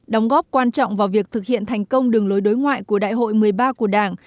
đóng góp quan trọng vào việc thực hiện thành công đường lối đối ngoại của đại hội một mươi ba của đảng